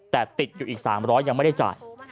แต่ติดอยู่อีก๓๐๐ยังไม่ได้จ่าย